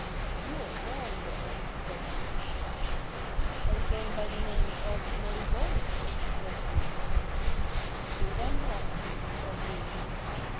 'You are wrong, though,' says he. 'Are you going by the name of Mollyvoirrey?' says she. ''Deed I am not,' says he.